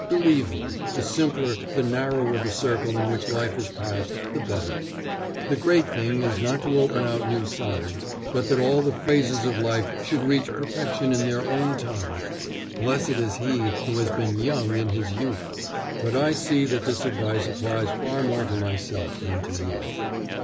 Believe me, the simpler, the narrower the circle in which life is passed the better; the great thing is not to open out new sides, but that all the phases of life should reach perfection in their own time. "Blessed is he who has been young in his youth." But I see that this advice applies far more to myself than to you.